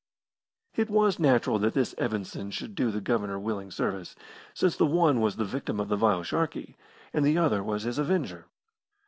It was natural that this Evanson should do the Governor willing service, since the one was the victim of the vile Sharkey and the other was his avenger.